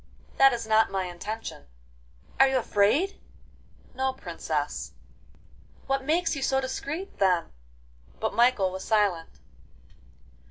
'That is not my intention.' 'Are you afraid?' 'No, Princess.' 'What makes you so discreet, then?' But Michael was silent.